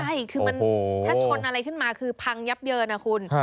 ถ้าชนอะไรขึ้นมาคือพังยับเยอะนะคุณ